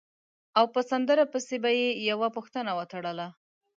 او په سندره پسې به یې یوه پوښتنه وتړله.